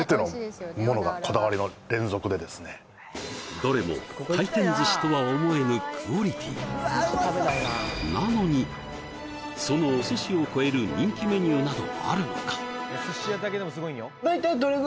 どれも回転寿司とは思えぬクオリティーなのにそのお寿司を超える人気メニューなどあるのか？